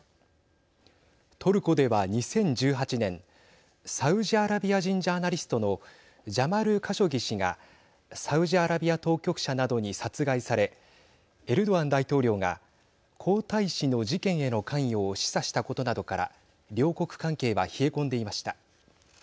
トルコでは２０１８年サウジアラビア人ジャーナリストのジャマル・カショギ氏がサウジアラビア当局者などに殺害されエルドアン大統領が皇太子の事件への関与を示唆したことなどから両国関係は冷え込んでいました。